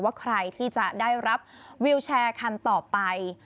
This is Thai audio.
ว่าใครที่จะได้รับวิวแชร์คันต่อไป